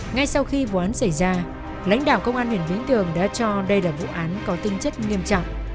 ngay sau khi vụ án xảy ra lãnh đạo công an huyện vĩnh tường đã cho đây là vụ án có tinh chất nghiêm trọng